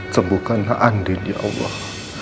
sembukkanlah andin ya allah